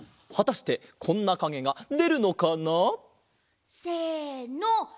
はたしてこんなかげがでるのかな？せの！